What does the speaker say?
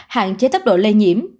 hạn chế tốc độ lây nhiễm